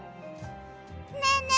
ねえねえ